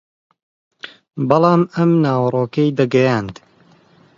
بەڵام ئەم ناوەڕۆکەی دەگەیاند